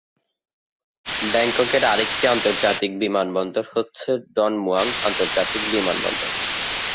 ব্যাংককের আরেকটি আন্তর্জাতিক বিমানবন্দর হচ্ছে ডন মুয়াং আন্তর্জাতিক বিমানবন্দর।